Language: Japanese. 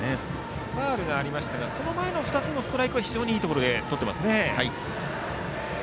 ファウルがありましたがその前の２つのストライクは非常にいいところでとっていました。